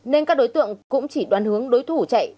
nên các đối tượng cũng chỉ đoàn hướng đối thủ chạy